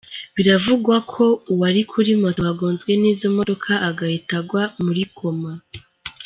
Biravugwa ko uwari kuri moto wagonzwe n’izo modoka agahita agwa muri koma.